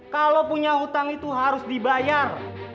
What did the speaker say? kalau punya hutang itu harus dibayar